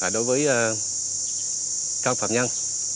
đối với các phạm nhân